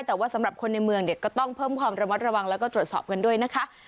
แต่ว่าสำหรับคนในเมืองเนี่ยก็ต้องเพิ่มความระมัดระวังแล้วก็ตรวจสอบกันด้วยนะคะ